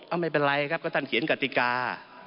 เอาไม่เป็นไรครับก็ท่านเขียนกติกา